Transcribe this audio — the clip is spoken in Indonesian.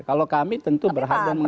kalau kami tentu berharga mengamini